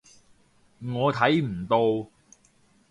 我睇唔到